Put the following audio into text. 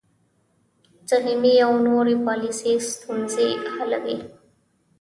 سهمیې او نورې پالیسۍ ستونزه حلوي.